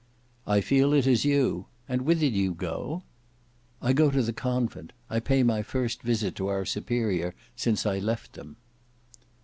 "I feel it as you. And whither do you go?" "I go to the convent; I pay my first visit to our Superior since I left them."